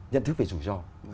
nhận thức về rủi ro